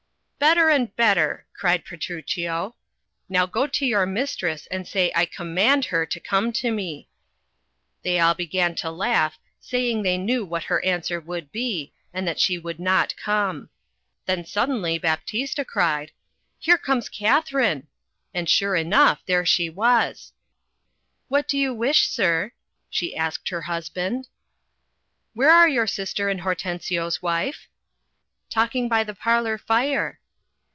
'Better and better," cried Petruchio; "now go to your mistress and say I command her to come to me." They all began to laugh, saying they knew what her answer would be, and that she would not come. Then suddenly Baptista cried — 'Here comes Katharine!" And sure enough — there she was. 'What do you wish, sir?" she asked her husband. 'Where are your sister and Hortensio's wife?" Talking by the parlor fire."